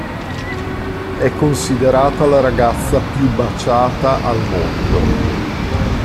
È considerata la ragazza più baciata al mondo.